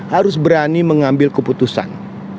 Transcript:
harus berani mengambil keputusan